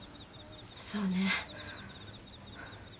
そうね。